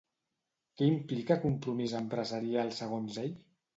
Què implica compromís empresarial segons ell?